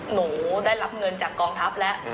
หนูได้รับเงินจากกองทัพแล้ว